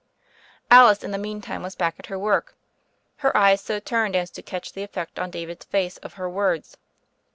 Alice in the meantime was back at her work, her eyes so turned as to catch the effect on David's face of her words.